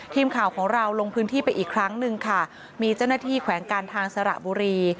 ทีมข่าวของเราลงพื้นที่ไปอีกครั้งหนึ่งค่ะมีเจ้าหน้าที่แขวงการทางสระบุรี